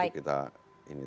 untuk kita ini